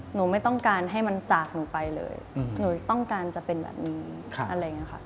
ไม่ต้องการให้มันจากหนูไปเลยหนูต้องการจะเป็นแบบนี้อะไรอย่างนี้ค่ะ